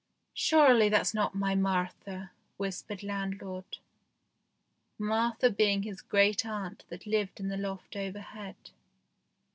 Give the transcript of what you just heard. " Surely that's not my Martha," whispered landlord ; Martha being his great aunt that lived in the loft overhead.